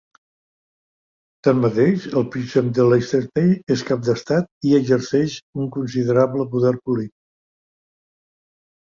Tanmateix, el Príncep de Liechtenstein és cap d'estat i exerceix un considerable poder polític.